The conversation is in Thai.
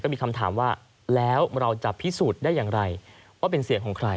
มีคำถามว่าแล้วเราจะพิสูจน์ได้อย่างไรว่าเป็นเสียงของใคร